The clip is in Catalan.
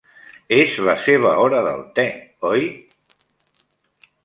És la seva hora del té, oi?